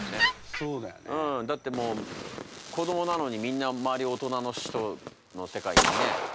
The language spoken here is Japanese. うんだってもう子どもなのにみんな周り大人の人の世界にねすぐ入ってきて。